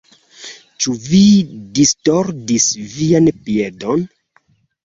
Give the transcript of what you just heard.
Ĉu vi distordis vian piedon?